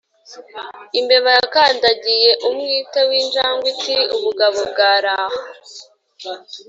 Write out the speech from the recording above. Imbeba yakandagiye umwite w’injangwe iti: ubugabo bwari aha!